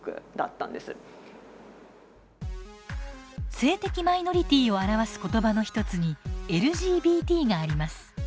性的マイノリティーを表す言葉の一つに「ＬＧＢＴ」があります。